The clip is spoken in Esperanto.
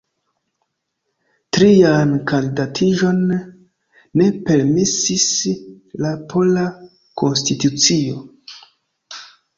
Trian kandidatiĝon ne permesis la pola konstitucio.